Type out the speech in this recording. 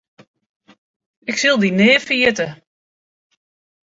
Ik sil dy nea ferjitte.